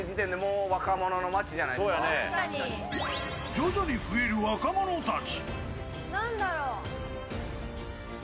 徐々に増える若者たち。